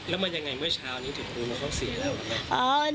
แล้วมันยังไงเมื่อเช้านี้ถึงรู้ว่าเขาเสียแล้ว